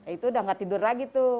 itu udah gak tidur lagi tuh